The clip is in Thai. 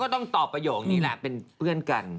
ต้องตอบประโยคนี้แหละเป็นเพื่อนกัน